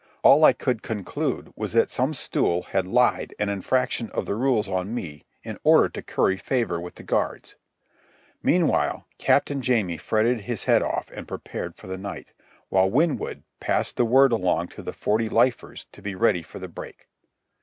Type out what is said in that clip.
All I could conclude was that some stool had lied an infraction of the rules on me in order to curry favour with the guards. Meanwhile Captain Jamie fretted his head off and prepared for the night, while Winwood passed the word along to the forty lifers to be ready for the break.